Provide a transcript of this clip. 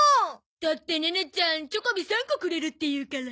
だってネネちゃんチョコビ３個くれるって言うから。